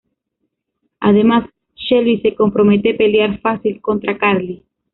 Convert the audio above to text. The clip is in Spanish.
Además, Shelby se compromete pelear fácil contra Carly.